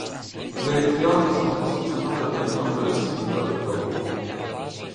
Le ritirate sono posizionate ad entrambe le estremità del vagone.